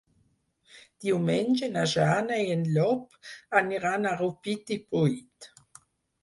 Diumenge na Jana i en Llop aniran a Rupit i Pruit.